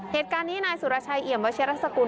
เหตุการณ์นี้นายสุรชัยเอี่ยมวัชิรสกุล